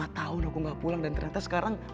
lima tahun aku gak pulang dan ternyata sekarang